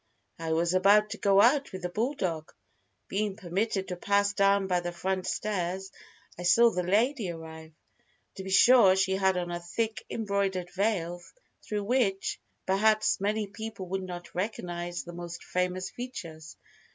I was about to go out with the bulldog. Being permitted to pass down by the front stairs, I saw the lady arrive. To be sure, she had on a thick embroidered veil through which, perhaps, many people would not recognize the most famous features.